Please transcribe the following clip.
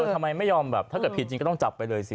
ทำไมไม่ยอมแบบถ้าเกิดผิดจริงก็ต้องจับไปเลยสิ